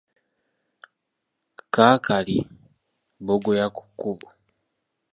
Kaakali, bbogoya ku kkubo.